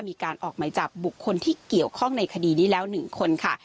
มีการออกหมายจับบุคคลที่เกี่ยวข้องในคดีนี้แล้ว๑คนค่ะ